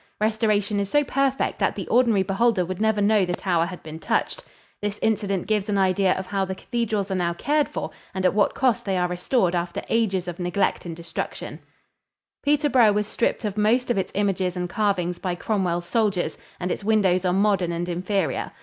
Restoration is so perfect that the ordinary beholder would never know the tower had been touched. This incident gives an idea of how the cathedrals are now cared for and at what cost they are restored after ages of neglect and destruction. [Illustration: A TYPICAL BYWAY.] Peterborough was stripped of most of its images and carvings by Cromwell's soldiers and its windows are modern and inferior.